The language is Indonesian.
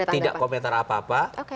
tidak komentar apa apa